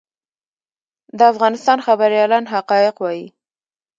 د افغانستان خبریالان حقایق وايي